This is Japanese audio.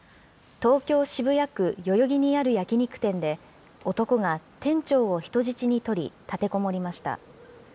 東京・渋谷区代々木にある焼き肉店で、男が店長を人質に取り、立てこもりました。